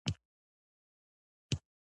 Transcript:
دې کار هغه ډیره حیرانه نه کړه